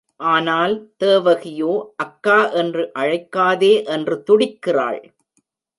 ஆனால், தேவகியோ, அக்கா என்று அழைக்காதே என்று துடிக்கிறாள்.